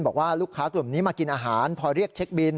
บอกว่าลูกค้ากลุ่มนี้มากินอาหารพอเรียกเช็คบิน